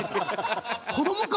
子どもか！